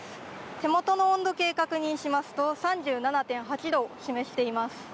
手元の温度計確認しますと、３７．８度を示しています。